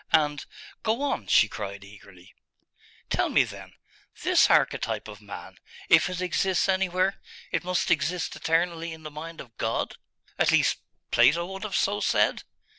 And 'Go on,' she cried eagerly. 'Tell me, then This archetype of man, if it exists anywhere, it must exist eternally in the mind of God? At least, Plato would have so said?